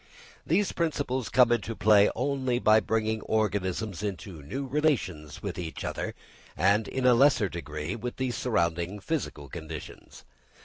These principles come into play only by bringing organisms into new relations with each other and in a lesser degree with the surrounding physical conditions.